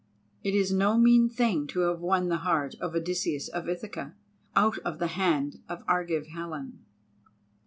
It is no mean thing to have won the heart of Odysseus of Ithaca out of the hand of Argive Helen.